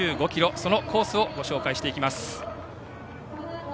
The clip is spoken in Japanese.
そのコースをご紹介していきます。